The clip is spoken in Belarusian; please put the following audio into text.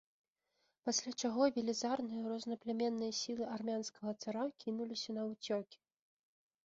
Пасля чаго велізарныя рознапляменныя сілы армянскага цара кінуліся наўцёкі.